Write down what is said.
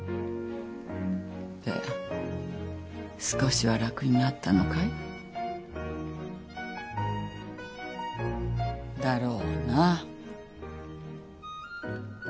で少しは楽になったのかい？だろうな。